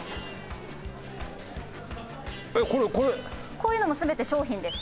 こういうのも全て商品です。